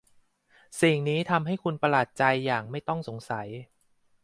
สิ่งนี้ทำให้คุณประหลาดใจอย่างไม่ต้องสงสัย ?